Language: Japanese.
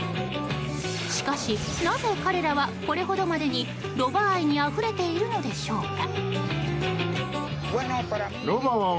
しかし、なぜ彼らはこれほどまでにロバ愛にあふれているのでしょうか。